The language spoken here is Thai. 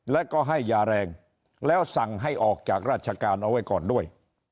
แล้วก็ให้ยาแรงแล้วสั่งให้ออกจากราชการเอาไว้ก่อนด้วย